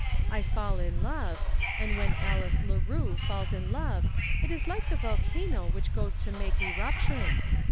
I fall in love, and when Alice Leroux falls in love it is like the volcano which goes to make eruption.